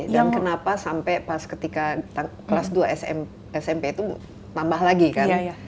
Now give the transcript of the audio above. dan kenapa sampai pas ketika kelas dua smp itu tambah lagi kan